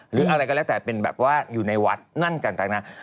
หรืออะไรก็แล้วแต่เป็นแบบว่าอยู่ในวัดนั่นต่างนะ